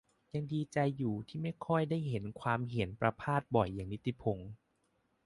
ยังดีใจอยู่ที่ไม่ค่อยได้เห็นความเห็นประภาสบ่อยอย่างนิติพงษ์